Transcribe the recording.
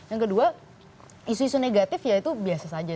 yang kedua isu isu negatif ya itu biasa saja